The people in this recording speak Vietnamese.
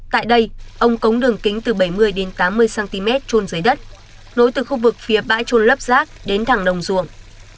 tại đây ông cống đường kính từ bảy mươi đến tám mươi cm trôn dưới đất nối từ khu vực phía bãi trôn lấp rác đến thẳng đồng ruộng